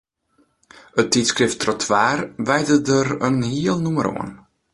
It tydskrift Trotwaer wijde der in hiel nûmer oan.